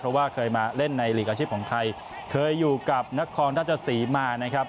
เพราะว่าเคยมาเล่นในหลีกอาชีพของไทยเคยอยู่กับนครราชสีมานะครับ